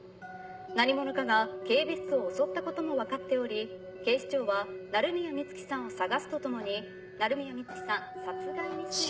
何者かが警備室を襲ったことも分かっており警視庁は鳴宮美月さんを捜すとともに鳴宮美月さん殺害未遂の疑いで。